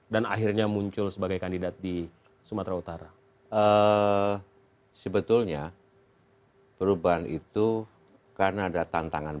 saya bisa maju di sumut